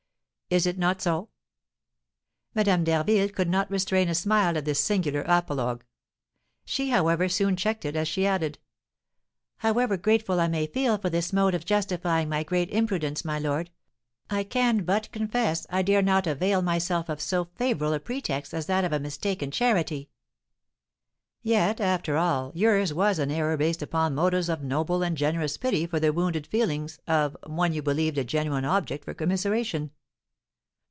Is it not so?" Madame d'Harville could not restrain a smile at this singular apologue. She, however, soon checked it, as she added: "However grateful I may feel for this mode of justifying my great imprudence, my lord, I can but confess I dare not avail myself of so favourable a pretext as that of mistaken charity." "Yet, after all, yours was an error based upon motives of noble and generous pity for the wounded feelings of one you believed a genuine object for commiseration.